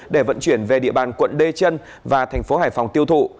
để vận chuyển về địa bàn quận đê trân và thành phố hải phòng tiêu thụ